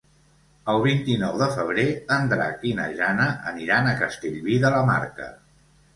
El vint-i-nou de febrer en Drac i na Jana aniran a Castellví de la Marca.